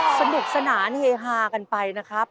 สนุกสนานเฮฮากันไปนะครับ